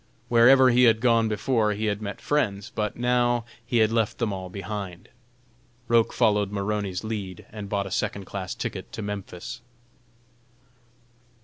Wherever he had gone before, he had met friends, but now he had left them all behind. Roch followed Maroney's lead and bought a second class ticket to Memphis.